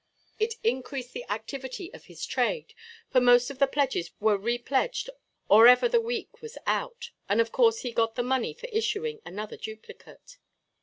It increased the activity of his trade, for most of the pledges were repledged or ever the week was out. And of course he got the money for issuing another duplicate.